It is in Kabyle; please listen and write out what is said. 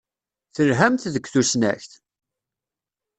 Telhamt deg tusnakt?